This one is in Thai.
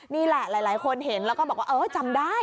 นี่แหละหลายคนเห็นแล้วก็บอกว่าเออจำได้